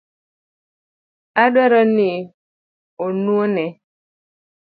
Odwaro ni onuo ne